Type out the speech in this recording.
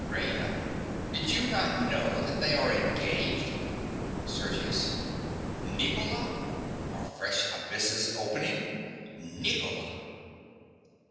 _) RAINA. Did you not know that they are engaged? SERGIUS. Nicola! Are fresh abysses opening! Nicola!!